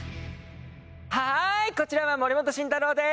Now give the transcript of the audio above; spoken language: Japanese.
はいこちらは森本慎太郎です。